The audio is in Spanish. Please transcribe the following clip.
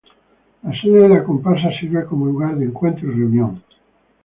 La sede de la comparsa sirve como lugar de encuentro y reunión.